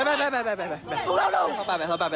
เฮ่ยเข้าไปเข้าไปเข้าไป